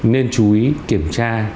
nên chú ý kiểm tra